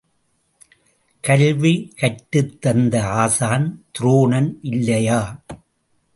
கல்வி கற்றுத்தந்த ஆசான் துரோணன் இல்லையா?